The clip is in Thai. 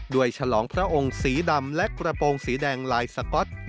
ฉลองพระองค์สีดำและกระโปรงสีแดงลายสก๊อต